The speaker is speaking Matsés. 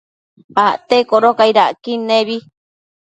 Acte codocaid acquid nebi